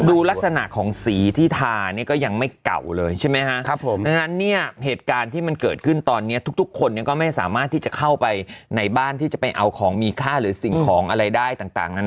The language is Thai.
ดูลักษณะของสีที่ทาเนี่ยก็ยังไม่เก่าเลยใช่ไหมฮะครับผมดังนั้นเนี่ยเหตุการณ์ที่มันเกิดขึ้นตอนนี้ทุกคนก็ไม่สามารถที่จะเข้าไปในบ้านที่จะไปเอาของมีค่าหรือสิ่งของอะไรได้ต่างนะ